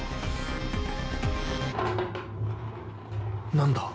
何だ？